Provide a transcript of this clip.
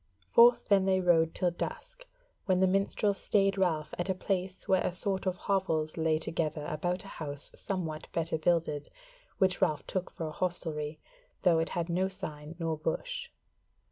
Forth then they rode till dusk, when the minstrel stayed Ralph at a place where a sort of hovels lay together about a house somewhat better builded, which Ralph took for a hostelry, though it had no sign nor bush.